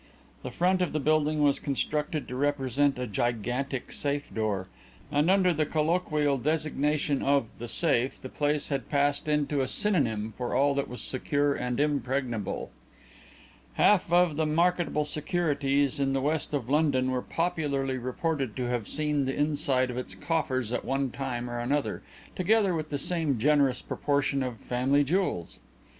The front of the building was constructed to represent a gigantic safe door, and under the colloquial designation of "The Safe" the place had passed into a synonym for all that was secure and impregnable. Half of the marketable securities in the west of London were popularly reported to have seen the inside of its coffers at one time or another, together with the same generous proportion of family jewels.